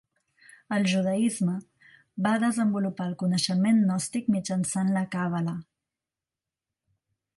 El judaisme va desenvolupar el coneixement gnòstic mitjançant la càbala.